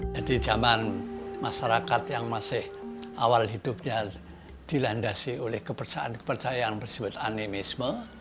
jadi zaman masyarakat yang masih awal hidupnya dilandasi oleh kepercayaan bersebut animisme